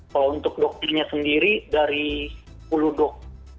kalau untuk dokternya sendiri dari sepuluh dokter